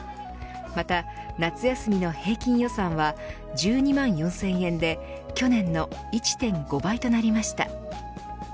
また夏休みの平均予算は１２万４０００円で去年の１．５倍となりました。